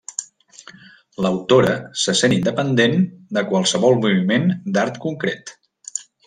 L'autora se sent independent de qualsevol moviment d'art concret.